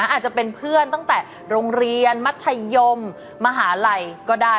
อาจจะเป็นเพื่อนตั้งแต่โรงเรียนมัธยมมหาลัยก็ได้